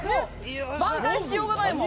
挽回しようがないもん。